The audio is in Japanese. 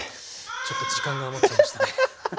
ちょっと時間が余っちゃいましたね。